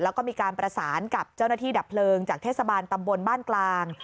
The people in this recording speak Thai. แล้วก็มีการประสานกับเจ้าหน้าที่ดับเพลิงจากเทศบาลตำบลบ้านกลาง